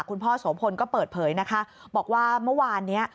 โสพลก็เปิดเผยนะคะบอกว่าเมื่อวานนี้